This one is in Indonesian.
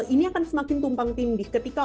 ini akan semakin tumpang tindih ketika